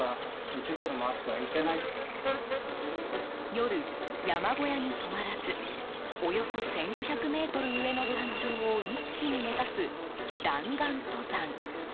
夜、山小屋に泊まらずおよそ１５００ｍ上の山頂を一気に目指す弾丸登山。